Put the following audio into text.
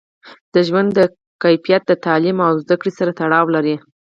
د ژوند کیفیت د تعلیم او زده کړې سره تړاو لري.